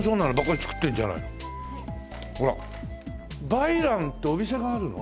梅蘭ってお店があるの？